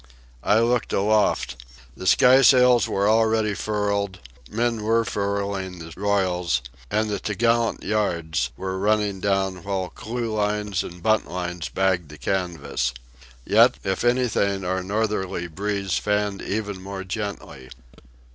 I looked aloft. The skysails were already furled; men were furling the royals; and the topgallant yards were running down while clewlines and buntlines bagged the canvas. Yet, if anything, our northerly breeze fanned even more gently.